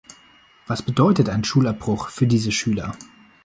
Was bedeutet ein Schulabbruch für diese Schüler?